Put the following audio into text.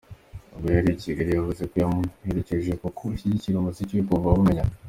Ubwo yari i Kigali, yavuze ko yamuherekeje kuko ashyigikira umuziki we kuva bamenyana.